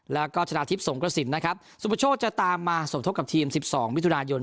แล้วก็ชนะทิพย์สงกระสินนะครับสุประโชคจะตามมาสมทบกับทีม๑๒มิถุนายน